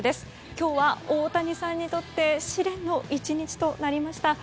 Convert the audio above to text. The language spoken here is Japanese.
今日は大谷さんにとって試練の１日となりました。